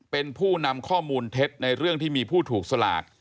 เป็นผู้นำข้อมูลเท็จในเรื่องที่มีผู้ถูกสลาก